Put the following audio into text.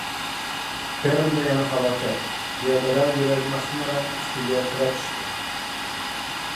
Permda yana falokat: Piyodalar yo‘lagi mashinalar ustiga qulab tushdi